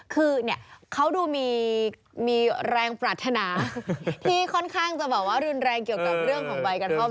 คือเนี่ยเขาดูมีแรงปรารถนาที่ค่อนข้างจะแบบว่ารุนแรงเกี่ยวกับเรื่องของใบกระท่อม